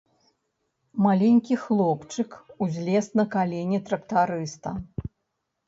Маленькі хлопчык узлез на калені трактарыста.